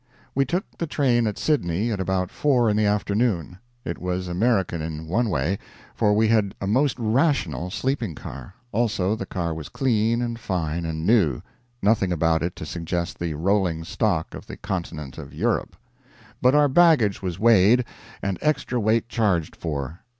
We took the train at Sydney at about four in the afternoon. It was American in one way, for we had a most rational sleeping car; also the car was clean and fine and new nothing about it to suggest the rolling stock of the continent of Europe. But our baggage was weighed, and extra weight charged for.